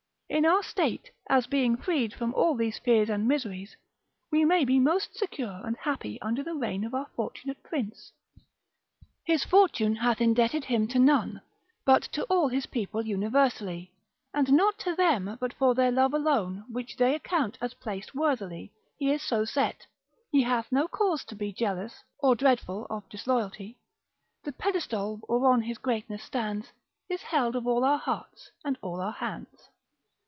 In our state, as being freed from all these fears and miseries, we may be most secure and happy under the reign of our fortunate prince: His fortune hath indebted him to none But to all his people universally; And not to them but for their love alone, Which they account as placed worthily. He is so set, he hath no cause to be Jealous, or dreadful of disloyalty; The pedestal whereon his greatness stands. Is held of all our hearts, and all our hands.